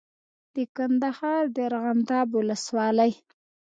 د کندهار د ارغنداب ولسوالۍ